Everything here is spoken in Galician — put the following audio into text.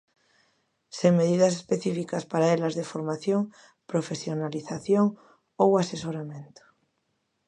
Sen medidas específicas para elas de formación, profesionalización ou asesoramento.